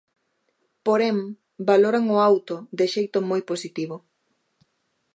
Porén, valoran o auto de xeito moi positivo.